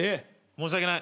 申し訳ない。